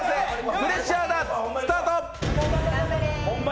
プレッシャーダーツ、スタート！